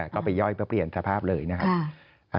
ก็ไปย่อยเพื่อเปลี่ยนสภาพเลยนะครับ